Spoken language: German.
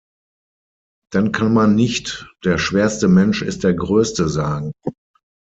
Dann kann man nicht „Der schwerste Mensch ist der größte“ sagen.